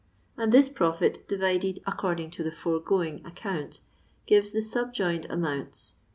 and this profit difided according to the foregoing account gives the subjoined amounts, vis.